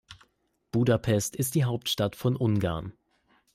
Budapest ist die Hauptstadt von Ungarn.